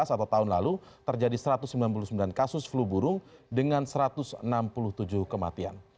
atau tahun lalu terjadi satu ratus sembilan puluh sembilan kasus flu burung dengan satu ratus enam puluh tujuh kematian